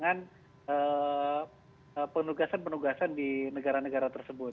dan penugasan penugasan di negara negara tersebut